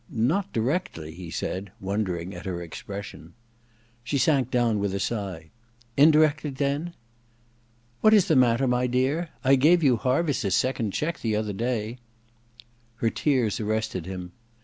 *Not directly,' he said, wondering at her expression. She sank down with a sigh. •Indirectly, then?' • What is the matter, my dear ? I gave you Harviss's second cheque the other day ' 27 28 THE DESCENT OF MAN v Her tears arrested him.